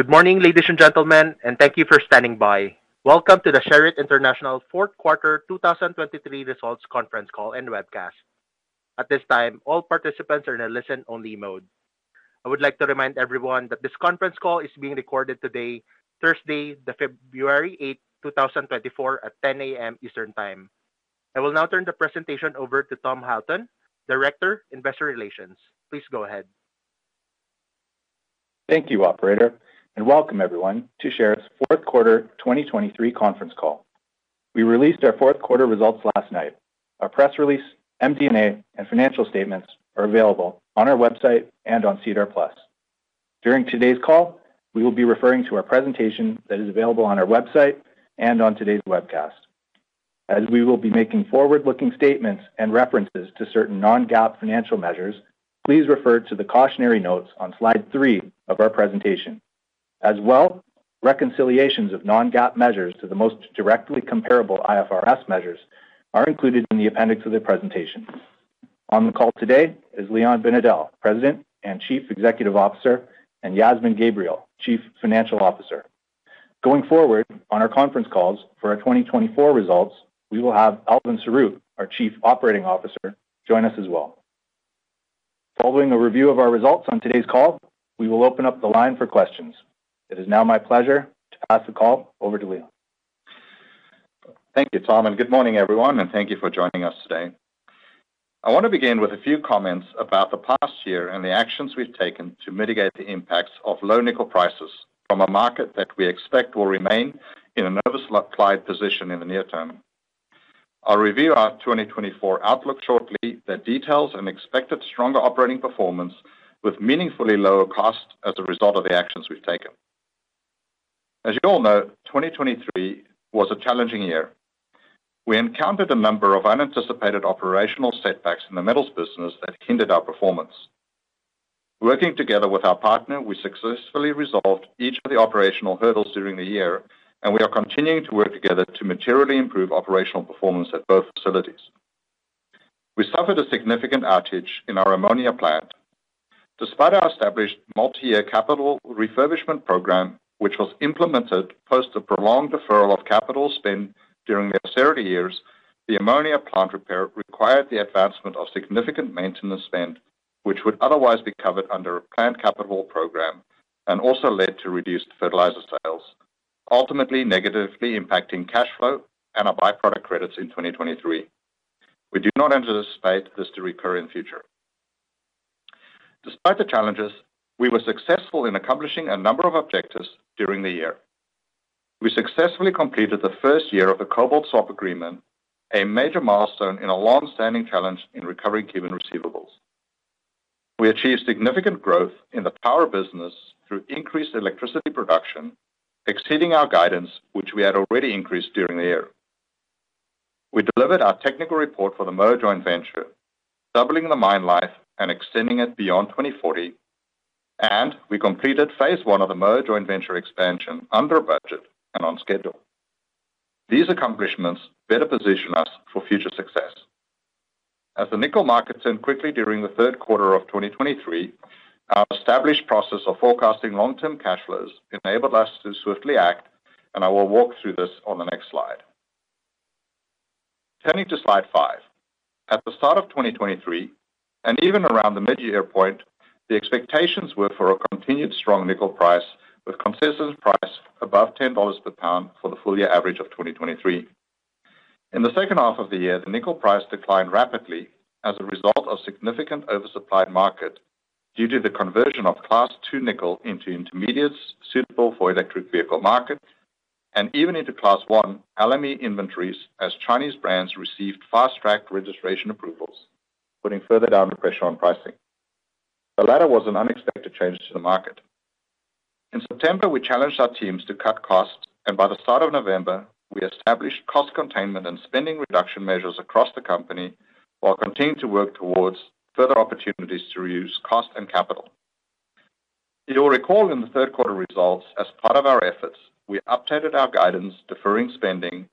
Good morning, ladies and gentlemen, and thank you for standing by. Welcome to the Sherritt International Fourth Quarter 2023 Results Conference Call and Webcast. At this time, all participants are in a listen-only mode. I would like to remind everyone that this conference call is being recorded today, Thursday, February 8, 2024, at 10:00 A.M. Eastern Time. I will now turn the presentation over to Tom Halton, Director, Investor Relations. Please go ahead. Thank you, operator, and welcome everyone to Sherritt's Fourth Quarter 2023 Conference Call. We released our fourth quarter results last night. Our press release, MD&A, and financial statements are available on our website and on SEDAR+. During today's call, we will be referring to our presentation that is available on our website and on today's webcast. As we will be making forward-looking statements and references to certain non-GAAP financial measures, please refer to the cautionary notes on slide three of our presentation. As well, reconciliations of non-GAAP measures to the most directly comparable IFRS measures are included in the appendix of the presentation. On the call today is Leon Binedell, President and Chief Executive Officer, and Yasmin Gabriel, Chief Financial Officer. Going forward on our conference calls for our 2024 results, we will have Elvin Saruk, our Chief Operating Officer, join us as well. Following a review of our results on today's call, we will open up the line for questions. It is now my pleasure to pass the call over to Leon. Thank you, Tom, and good morning, everyone, and thank you for joining us today. I want to begin with a few comments about the past year and the actions we've taken to mitigate the impacts of low nickel prices from a market that we expect will remain in an oversupplied position in the near term. I'll review our 2024 outlook shortly that details an expected stronger operating performance with meaningfully lower costs as a result of the actions we've taken. As you all know, 2023 was a challenging year. We encountered a number of unanticipated operational setbacks in the metals business that hindered our performance. Working together with our partner, we successfully resolved each of the operational hurdles during the year, and we are continuing to work together to materially improve operational performance at both facilities. We suffered a significant outage in our ammonia plant. Despite our established multi-year capital refurbishment program, which was implemented post a prolonged deferral of capital spend during the austerity years, the ammonia plant repair required the advancement of significant maintenance spend, which would otherwise be covered under a planned capital program and also led to reduced fertilizer sales, ultimately negatively impacting cash flow and our byproduct credits in 2023. We do not anticipate this to recur in future. Despite the challenges, we were successful in accomplishing a number of objectives during the year. We successfully completed the first year of the Cobalt Swap Agreement, a major milestone in a long-standing challenge in recovering Cuban receivables. We achieved significant growth in the power business through increased electricity production, exceeding our guidance, which we had already increased during the year. We delivered our technical report for the Moa Joint Venture, doubling the mine life and extending it beyond 2040, and we completed phase I of the Moa Joint Venture expansion under budget and on schedule. These accomplishments better position us for future success. As the nickel market turned quickly during the third quarter of 2023, our established process of forecasting long-term cash flows enabled us to swiftly act, and I will walk through this on the next slide. Turning to slide five. At the start of 2023, and even around the mid-year point, the expectations were for a continued strong nickel price, with consistent price above $10 per pound for the full-year average of 2023. In the second half of the year, the nickel price declined rapidly as a result of significant oversupplied market due to the conversion of Class 2 Nickel into intermediates suitable for electric vehicle markets and even into Class 1 LME inventories as Chinese brands received fast-tracked registration approvals, putting further downward pressure on pricing. The latter was an unexpected change to the market. In September, we challenged our teams to cut costs, and by the start of November, we established cost containment and spending reduction measures across the company while continuing to work towards further opportunities to reduce cost and capital. You'll recall in the third quarter results, as part of our efforts, we updated our guidance, deferring spending,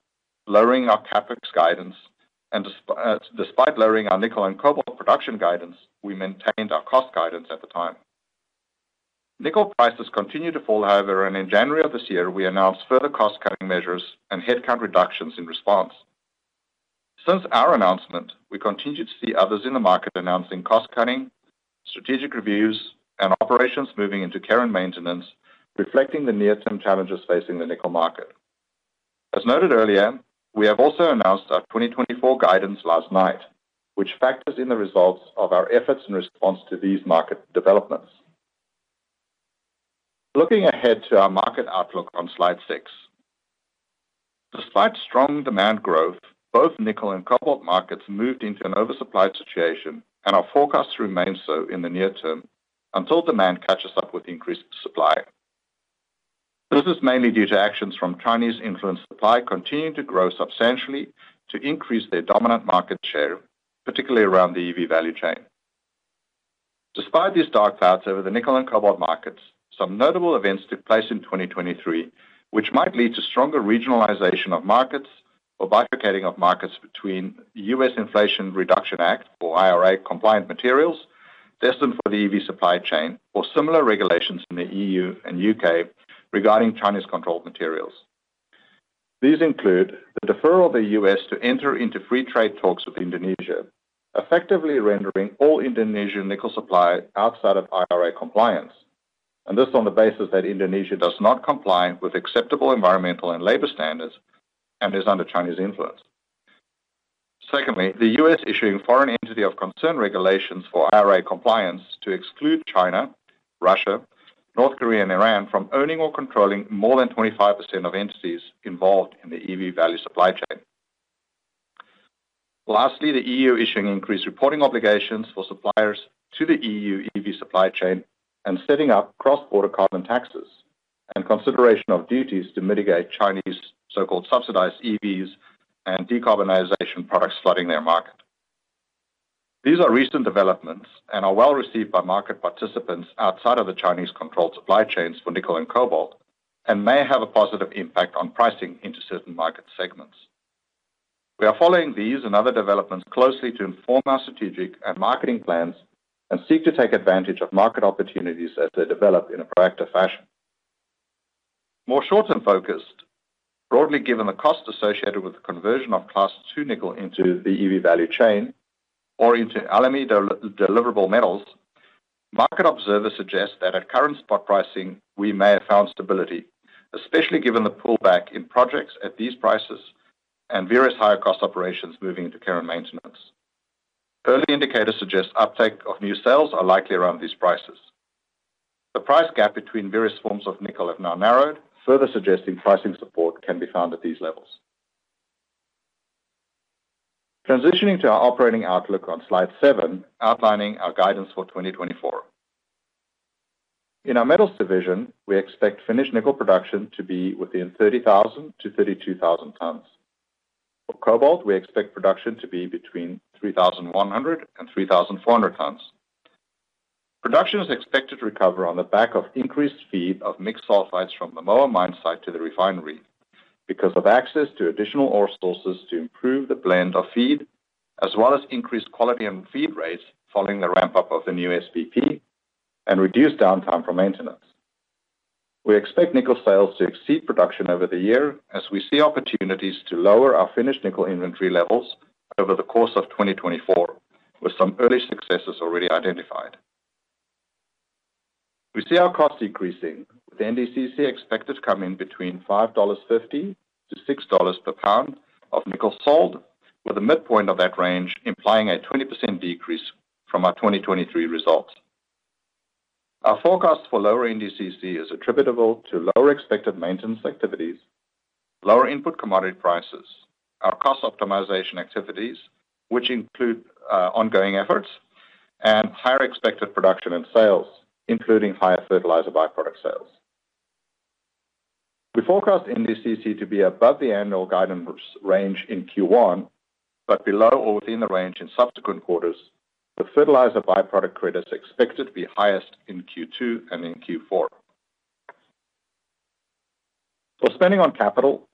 lowering our CapEx guidance, and despite lowering our nickel and cobalt production guidance, we maintained our cost guidance at the time. Nickel prices continued to fall, however, and in January of this year, we announced further cost-cutting measures and headcount reductions in response. Since our announcement, we continued to see others in the market announcing cost cutting, strategic reviews, and operations moving into care and maintenance, reflecting the near-term challenges facing the nickel market. As noted earlier, we have also announced our 2024 guidance last night, which factors in the results of our efforts in response to these market developments. Looking ahead to our market outlook on slide six. Despite strong demand growth, both nickel and cobalt markets moved into an oversupplied situation, and our forecast remains so in the near term until demand catches up with increased supply. This is mainly due to actions from Chinese-influenced supply continuing to grow substantially to increase their dominant market share, particularly around the EV value chain. Despite these dark clouds over the nickel and cobalt markets, some notable events took place in 2023, which might lead to stronger regionalization of markets or bifurcating of markets between U.S. Inflation Reduction Act, or IRA, compliant materials destined for the EV supply chain or similar regulations in the E.U. and U.K. regarding Chinese-controlled materials. These include the deferral of the U.S. to enter into free trade talks with Indonesia, effectively rendering all Indonesian nickel supply outside of IRA compliance, and this on the basis that Indonesia does not comply with acceptable environmental and labor standards and is under Chinese influence. Secondly, the U.S. issuing Foreign Entity of Concern regulations for IRA compliance to exclude China, Russia, North Korea, and Iran from owning or controlling more than 25% of entities involved in the EV value supply chain. Lastly, the EU issuing increased reporting obligations for suppliers to the EU EV supply chain and setting up cross-border carbon taxes and consideration of duties to mitigate Chinese so-called subsidized EVs and decarbonization products flooding their market. These are recent developments and are well-received by market participants outside of the Chinese-controlled supply chains for nickel and cobalt, and may have a positive impact on pricing into certain market segments. We are following these and other developments closely to inform our strategic and marketing plans, and seek to take advantage of market opportunities as they develop in a proactive fashion. More short-term focused, broadly given the cost associated with the conversion of Class 1 Nickel into the EV value chain or into LME-deliverable metals, market observers suggest that at current spot pricing, we may have found stability, especially given the pullback in projects at these prices and various higher cost operations moving into care and maintenance. Early indicators suggest uptake of new sales are likely around these prices. The price gap between various forms of nickel have now narrowed, further suggesting pricing support can be found at these levels. Transitioning to our operating outlook on slide seven, outlining our guidance for 2024. In our metals division, we expect finished nickel production to be within 30,000-32,000 tons. For cobalt, we expect production to be between 3,100-3,400 tons. Production is expected to recover on the back of increased feed of mixed sulfides from the Moa mine site to the refinery because of access to additional ore sources to improve the blend of feed, as well as increased quality and feed rates following the ramp-up of the new SPP and reduced downtime from maintenance. We expect nickel sales to exceed production over the year as we see opportunities to lower our finished nickel inventory levels over the course of 2024, with some early successes already identified. We see our costs decreasing, with NDCC expected to come in between $5.50-$6 per pound of nickel sold, with a midpoint of that range implying a 20% decrease from our 2023 results. Our forecast for lower NDCC is attributable to lower expected maintenance activities, lower input commodity prices, our cost optimization activities, which include ongoing efforts, and higher expected production and sales, including higher fertilizer byproduct sales. We forecast NDCC to be above the annual guidance range in Q1, but below or within the range in subsequent quarters, with fertilizer byproduct credits expected to be highest in Q2 and in Q4. For spending on capital,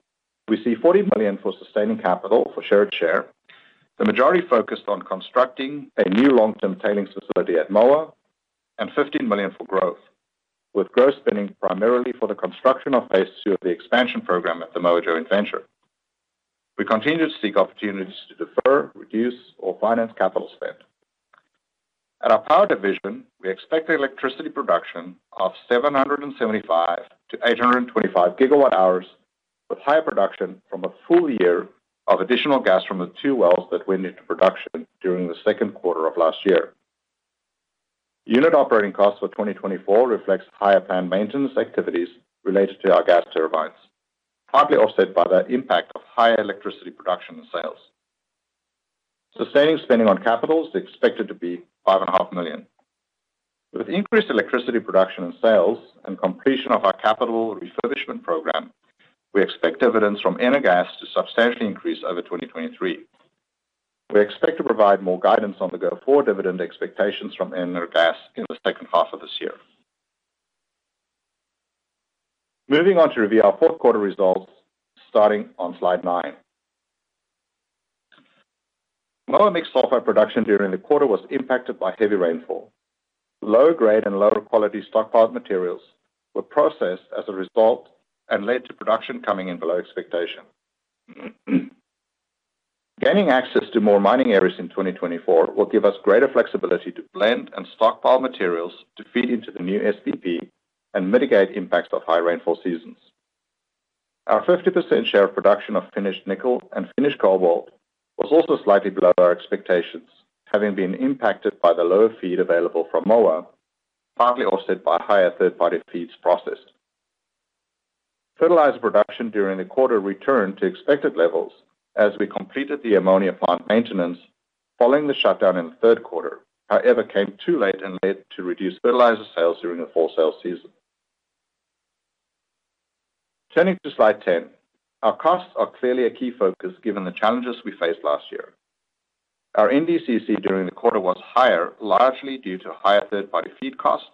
we see $40 million for sustaining capital for Sherritt, the majority focused on constructing a new long-term tailings facility at Moa, and $15 million for growth, with growth spending primarily for the construction of phase II of the expansion program at the Moa Joint Venture. We continue to seek opportunities to defer, reduce, or finance capital spend. At our power division, we expect electricity production of 775-825 GWh, with higher production from a full year of additional gas from the two wells that went into production during the second quarter of last year. Unit operating costs for 2024 reflects higher planned maintenance activities related to our gas turbines, partly offset by the impact of higher electricity production and sales. Sustaining spending on capital is expected to be 5.5 million. With increased electricity production and sales and completion of our capital refurbishment program, we expect dividends from Energas to substantially increase over 2023. We expect to provide more guidance on the go-forward dividend expectations from Energas in the second half of this year. Moving on to review our fourth quarter results, starting on slide nine. Moa mixed sulfide production during the quarter was impacted by heavy rainfall. Lower-grade and lower-quality stockpiled materials were processed as a result and led to production coming in below expectation. Gaining access to more mining areas in 2024 will give us greater flexibility to blend and stockpile materials to feed into the new SPP and mitigate impacts of high rainfall seasons. Our 50% share of production of finished nickel and finished cobalt was also slightly below our expectations, having been impacted by the lower feed available from Moa, partly offset by higher third-party feeds processed. Fertilizer production during the quarter returned to expected levels as we completed the ammonia plant maintenance following the shutdown in the third quarter. However, came too late and led to reduced fertilizer sales during the fall sales season. Turning to slide 10, our costs are clearly a key focus given the challenges we faced last year. Our NDCC during the quarter was higher, largely due to higher third-party feed costs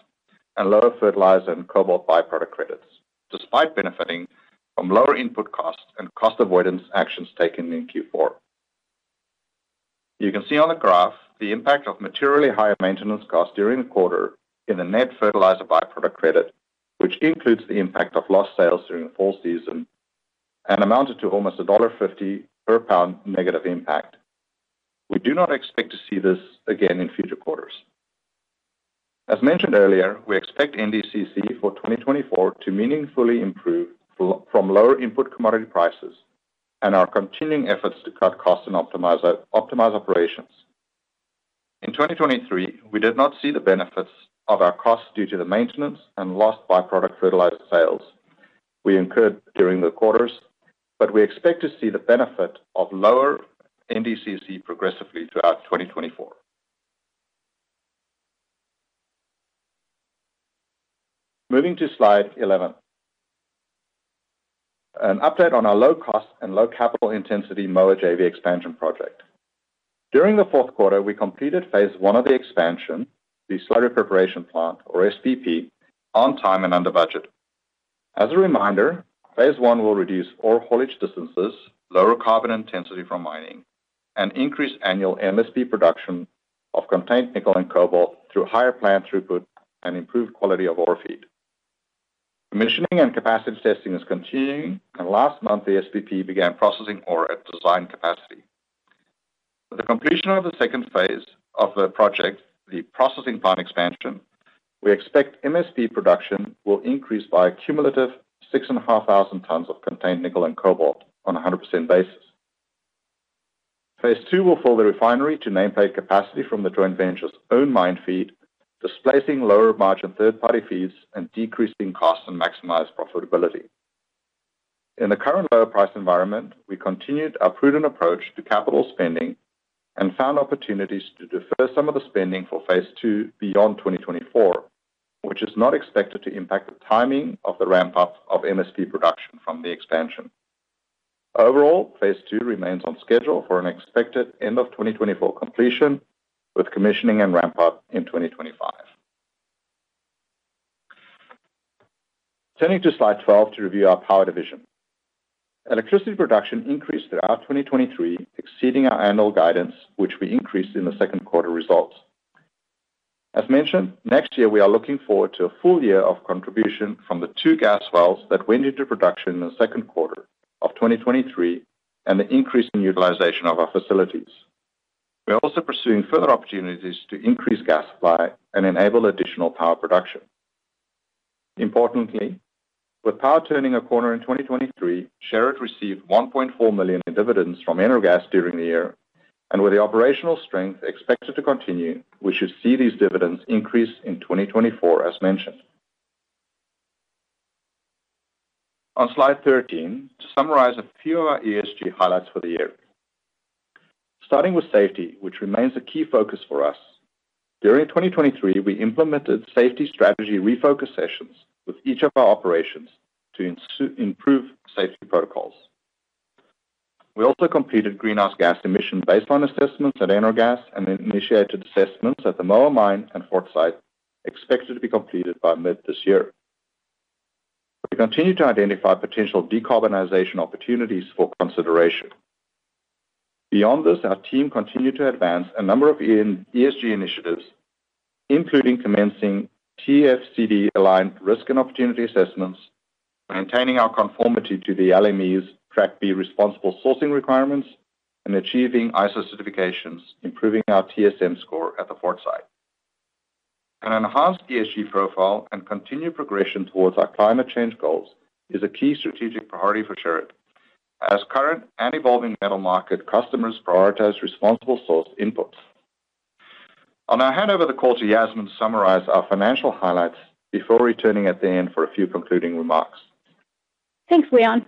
and lower fertilizer and cobalt byproduct credits, despite benefiting from lower input costs and cost avoidance actions taken in Q4. You can see on the graph the impact of materially higher maintenance costs during the quarter in the net fertilizer byproduct credit, which includes the impact of lost sales during the fall season and amounted to almost $1.50 per pound negative impact. We do not expect to see this again in future quarters. As mentioned earlier, we expect NDCC for 2024 to meaningfully improve from lower input commodity prices and our continuing efforts to cut costs and optimize operations. In 2023, we did not see the benefits of our costs due to the maintenance and lost byproduct fertilizer sales we incurred during the quarters, but we expect to see the benefit of lower NDCC progressively throughout 2024. Moving to slide 11, an update on our low-cost and low capital intensity Moa JV expansion project. During the fourth quarter, we completed phase I of the expansion, the slurry preparation plant, or SPP, on time and under budget. As a reminder, phase I will reduce ore haulage distances, lower carbon intensity from mining, and increase annual MSP production of contained nickel and cobalt through higher plant throughput and improved quality of ore feed. Commissioning and capacity testing is continuing, and last month, the SPP began processing ore at design capacity. With the completion of the second phase of the project, the processing plant expansion, we expect MSP production will increase by a cumulative 6,500 tons of contained nickel and cobalt on a 100% basis. Phase II will fill the refinery to nameplate capacity from the joint venture's own mine feed, displacing lower-margin third-party feeds and decreasing costs and maximize profitability. In the current lower price environment, we continued our prudent approach to capital spending and found opportunities to defer some of the spending for phase II beyond 2024, which is not expected to impact the timing of the ramp-up of MSP production from the expansion. Overall, phase II remains on schedule for an expected end of 2024 completion, with commissioning and ramp-up in 2025. Turning to slide 12 to review our power division. Electricity production increased throughout 2023, exceeding our annual guidance, which we increased in the second quarter results. As mentioned, next year, we are looking forward to a full year of contribution from the 2 gas wells that went into production in the second quarter of 2023 and the increase in utilization of our facilities. We are also pursuing further opportunities to increase gas supply and enable additional power production. Importantly, with power turning a corner in 2023, Sherritt received 1.4 million in dividends from Energas during the year, and with the operational strength expected to continue, we should see these dividends increase in 2024, as mentioned. On slide 13, to summarize a few of our ESG highlights for the year. Starting with safety, which remains a key focus for us. During 2023, we implemented safety strategy refocus sessions with each of our operations to improve safety protocols. We also completed greenhouse gas emission baseline assessments at Energas and initiated assessments at the Moa Mine and Fort Site, expected to be completed by mid this year. We continue to identify potential decarbonization opportunities for consideration. Beyond this, our team continued to advance a number of ESG initiatives, including commencing TCFD-aligned risk and opportunity assessments, maintaining our conformity to the LME's Track B responsible sourcing requirements, and achieving ISO certifications, improving our TSM score at the Fort Site. An enhanced ESG profile and continued progression towards our climate change goals is a key strategic priority for Sherritt as current and evolving metal market customers prioritize responsible source inputs. I'll now hand over the call to Yasmin to summarize our financial highlights before returning at the end for a few concluding remarks. Thanks, Leon.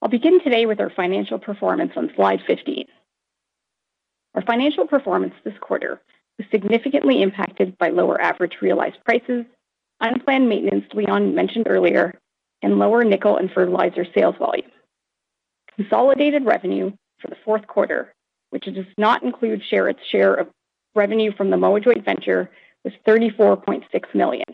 I'll begin today with our financial performance on slide 15. Our financial performance this quarter was significantly impacted by lower average realized prices, unplanned maintenance Leon mentioned earlier, and lower nickel and fertilizer sales volume. Consolidated revenue for the fourth quarter, which does not include Sherritt's share of revenue from the Moa Joint Venture, was 34.6 million.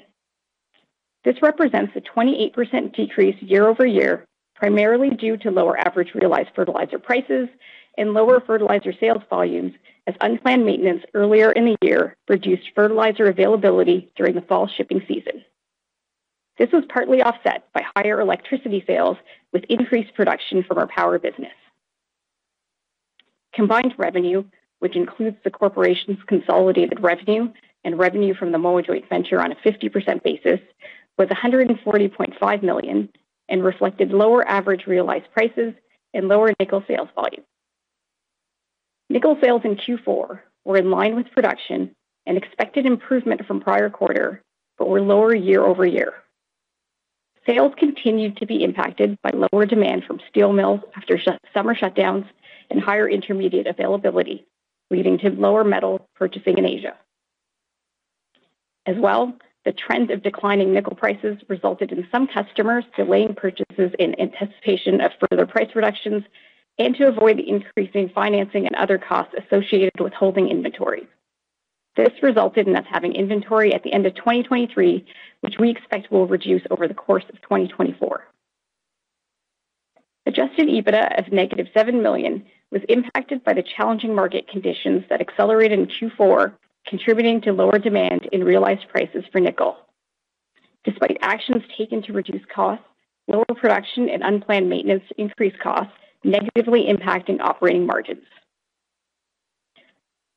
This represents a 28% decrease year-over-year, primarily due to lower average realized fertilizer prices and lower fertilizer sales volumes, as unplanned maintenance earlier in the year reduced fertilizer availability during the fall shipping season. This was partly offset by higher electricity sales with increased production from our power business. Combined revenue, which includes the corporation's consolidated revenue and revenue from the Moa Joint Venture on a 50% basis, was $140.5 million and reflected lower average realized prices and lower nickel sales volume. Nickel sales in Q4 were in line with production and expected improvement from prior quarter, but were lower year-over-year. Sales continued to be impacted by lower demand from steel mills after summer shutdowns and higher intermediate availability, leading to lower metal purchasing in Asia. As well, the trend of declining nickel prices resulted in some customers delaying purchases in anticipation of further price reductions and to avoid increasing financing and other costs associated with holding inventory. This resulted in us having inventory at the end of 2023, which we expect will reduce over the course of 2024. Adjusted EBITDA of -$7 million was impacted by the challenging market conditions that accelerated in Q4, contributing to lower demand in realized prices for nickel. Despite actions taken to reduce costs, lower production and unplanned maintenance increased costs, negatively impacting operating margins.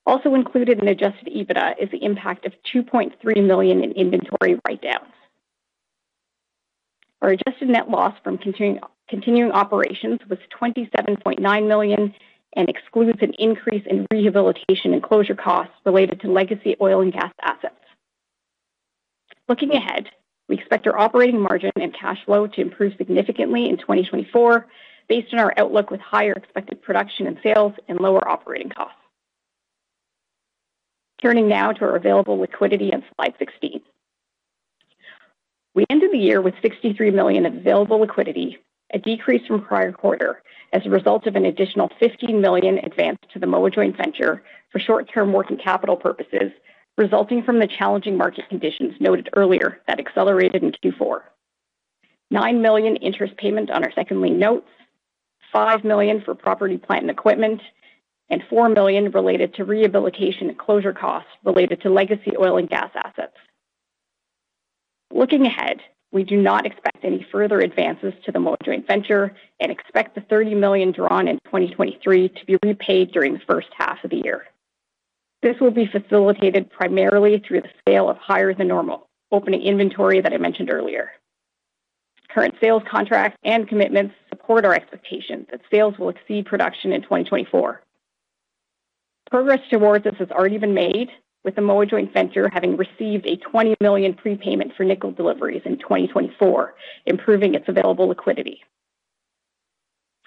Also included in adjusted EBITDA is the impact of $2.3 million in inventory write-downs. Our adjusted net loss from continuing, continuing operations was $27.9 million and excludes an increase in rehabilitation and closure costs related to legacy oil and gas assets. Looking ahead, we expect our operating margin and cash flow to improve significantly in 2024, based on our outlook with higher expected production and sales and lower operating costs. Turning now to our available liquidity on slide 16. We ended the year with 63 million of available liquidity, a decrease from prior quarter as a result of an additional 15 million advance to the Moa Joint Venture for short-term working capital purposes, resulting from the challenging market conditions noted earlier that accelerated in Q4. 9 million interest payment on our second lien notes, 5 million for property, plant, and equipment, and 4 million related to rehabilitation and closure costs related to legacy oil and gas assets. Looking ahead, we do not expect any further advances to the Moa Joint Venture and expect the 30 million drawn in 2023 to be repaid during the first half of the year. This will be facilitated primarily through the sale of higher-than-normal opening inventory that I mentioned earlier. Current sales contracts and commitments support our expectation that sales will exceed production in 2024. Progress towards this has already been made, with the Moa Joint Venture having received a $20 million prepayment for nickel deliveries in 2024, improving its available liquidity.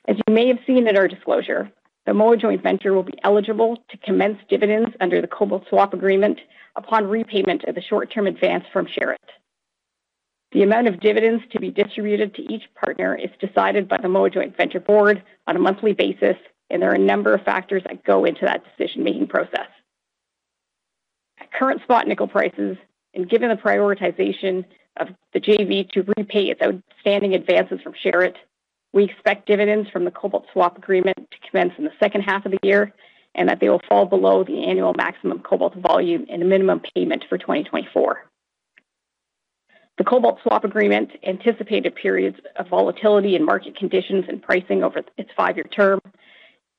As you may have seen in our disclosure, the Moa Joint Venture will be eligible to commence dividends under the Cobalt Swap Agreement upon repayment of the short-term advance from Sherritt. The amount of dividends to be distributed to each partner is decided by the Moa Joint Venture Board on a monthly basis, and there are a number of factors that go into that decision-making process. At current spot nickel prices, and given the prioritization of the JV to repay its outstanding advances from Sherritt, we expect dividends from the Cobalt Swap Agreement to commence in the second half of the year, and that they will fall below the annual maximum cobalt volume and the minimum payment for 2024. The Cobalt Swap Agreement anticipated periods of volatility in market conditions and pricing over its five-year term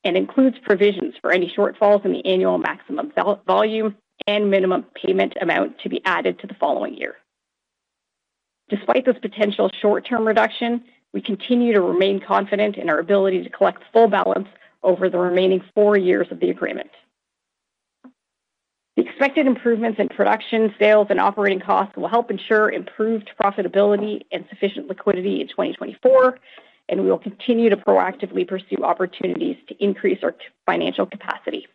and includes provisions for any shortfalls in the annual maximum volume and minimum payment amount to be added to the following year. Despite this potential short-term reduction, we continue to remain confident in our ability to collect the full balance over the remaining four years of the agreement. The expected improvements in production, sales, and operating costs will help ensure improved profitability and sufficient liquidity in 2024, and we will continue to proactively pursue opportunities to increase our financial capacity.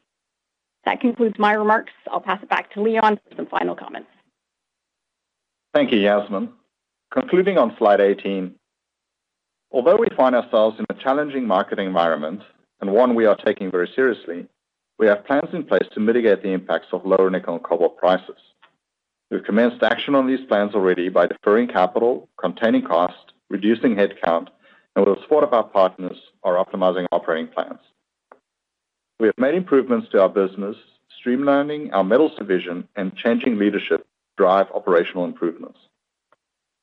That concludes my remarks. I'll pass it back to Leon for some final comments. Thank you, Yasmin. Concluding on slide 18, although we find ourselves in a challenging market environment, and one we are taking very seriously, we have plans in place to mitigate the impacts of lower nickel and cobalt prices. We've commenced action on these plans already by deferring capital, containing costs, reducing headcount, and with the support of our partners, are optimizing operating plans. We have made improvements to our business, streamlining our metals division and changing leadership to drive operational improvements.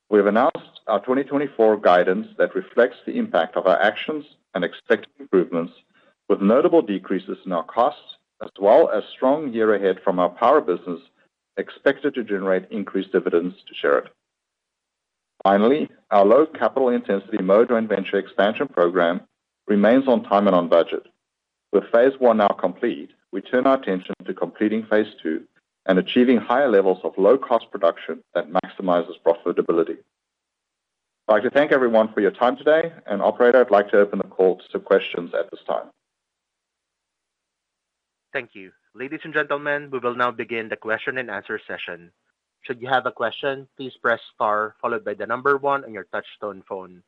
We have announced our 2024 guidance that reflects the impact of our actions and expected improvements, with notable decreases in our costs, as well as strong year ahead from our power business, expected to generate increased dividends to Sherritt. Finally, our low-capital-intensity Moa Joint Venture expansion program remains on time and on budget. With phase I now complete, we turn our attention to completing phase II and achieving higher levels of low-cost production that maximizes profitability. I'd like to thank everyone for your time today, and operator, I'd like to open the call to questions at this time. Thank you. Ladies and gentlemen, we will now begin the question and answer session. Should you have a question, please press star followed by the number one on your touchtone phone.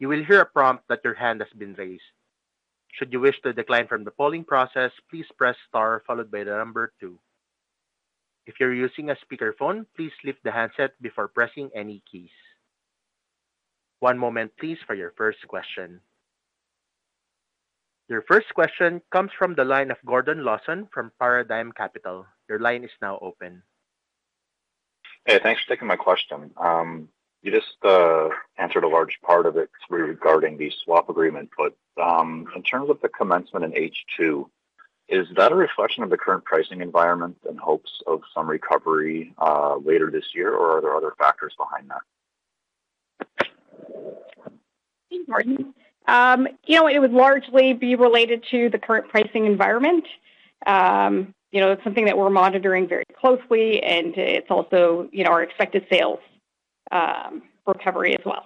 You will hear a prompt that your hand has been raised. Should you wish to decline from the polling process, please press star followed by the number two. If you're using a speakerphone, please lift the handset before pressing any keys. One moment please, for your first question. Your first question comes from the line of Gordon Lawson from Paradigm Capital. Your line is now open. Hey, thanks for taking my question. You just answered a large part of it regarding the swap agreement, but in terms of the commencement in H2, is that a reflection of the current pricing environment and hopes of some recovery later this year, or are there other factors behind that? Thanks, Gordon. You know, it would largely be related to the current pricing environment. You know, it's something that we're monitoring very closely, and it's also, you know, our expected sales recovery as well.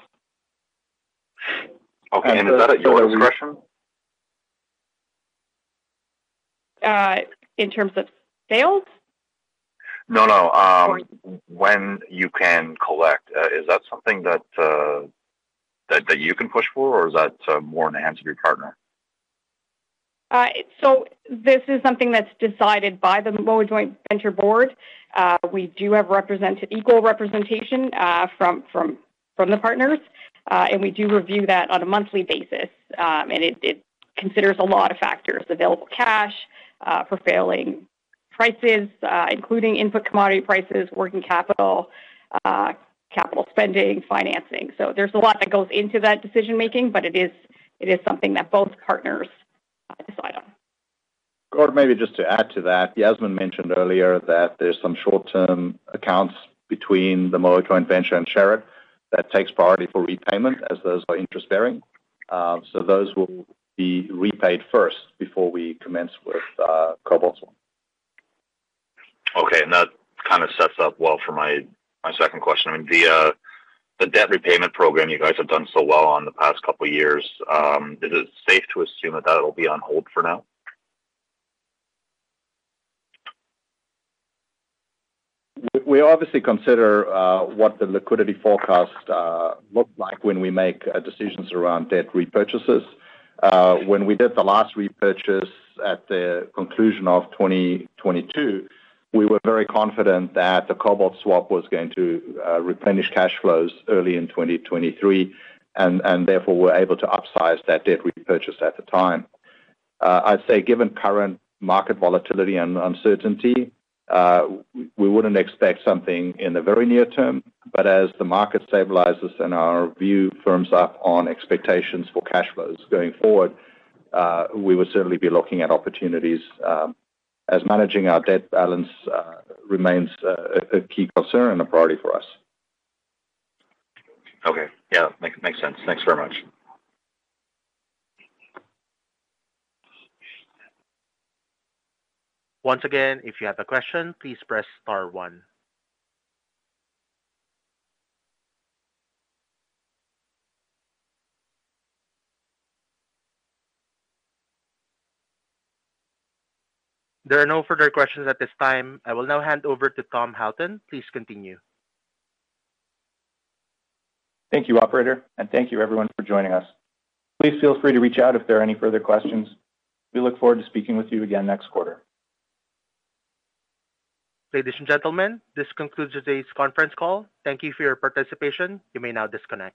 Okay, and is that at your discretion? In terms of sales? No, no. When you can collect, is that something that you can push for, or is that more in the hands of your partner? So this is something that's decided by the Moa Joint Venture Board. We do have equal representation from the partners. And we do review that on a monthly basis. And it considers a lot of factors: available cash, falling prices, including input commodity prices, working capital, capital spending, financing. So there's a lot that goes into that decision-making, but it is something that both partners decide on. Or maybe just to add to that, Yasmin mentioned earlier that there's some short-term accounts between the Moa Joint Venture and Sherritt that takes priority for repayment, as those are interest-bearing. So those will be repaid first before we commence with cobalt swap. Okay. That kind of sets up well for my second question. I mean, the debt repayment program you guys have done so well on the past couple of years, is it safe to assume that that'll be on hold for now? We obviously consider what the liquidity forecast looks like when we make decisions around debt repurchases. When we did the last repurchase at the conclusion of 2022, we were very confident that the cobalt swap was going to replenish cash flows early in 2023, and therefore, we were able to upsize that debt repurchase at the time. I'd say, given current market volatility and uncertainty, we wouldn't expect something in the very near term, but as the market stabilizes and our view firms up on expectations for cash flows going forward, we would certainly be looking at opportunities, as managing our debt balance remains a key concern and a priority for us. Okay. Yeah, makes sense. Thanks very much. Once again, if you have a question, please press star one. There are no further questions at this time. I will now hand over to Tom Halton. Please continue. Thank you, operator, and thank you everyone for joining us. Please feel free to reach out if there are any further questions. We look forward to speaking with you again next quarter. Ladies and gentlemen, this concludes today's conference call. Thank you for your participation. You may now disconnect.